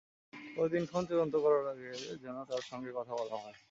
তবে দিনক্ষণ চূড়ান্ত করার আগে যেন তাঁর সঙ্গে কথা বলা হয়।